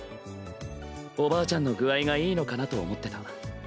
おばあちゃんの具合がいいのかなと思ってた。